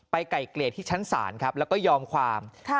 ไก่เกลี่ยที่ชั้นศาลครับแล้วก็ยอมความ